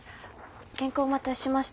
原稿お待たせしました。